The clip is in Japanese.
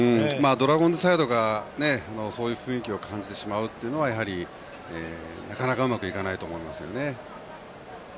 ドラゴンズサイドがそういう雰囲気を感じてしまうというのはやはり、なかなかうまくいかないと思いますね。